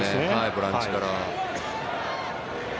ボランチから。